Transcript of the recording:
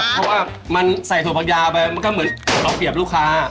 เพราะว่ามันใส่ถั่วผักยาวไปมันก็เหมือนเราเปรียบลูกค้า